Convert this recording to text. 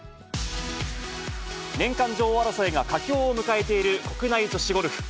年間女王争いが佳境を迎えている国内女子ゴルフ。